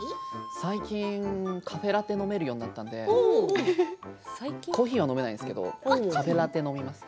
最近は、カフェラテを飲めるようになったのでコーヒーは飲めないんですけどカフェラテ飲みます。